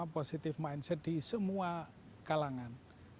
positive mindset di semua kalangan